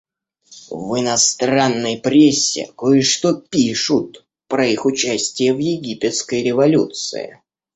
В иностранной прессе кое-что пишут про их участие в египетской революции.